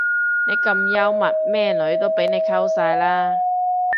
你咁幽默咩女都俾你溝晒啦